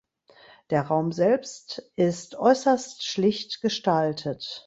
Der Raum selbst ist äußerst schlicht gestaltet.